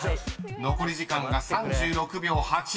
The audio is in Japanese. ［残り時間が３６秒８］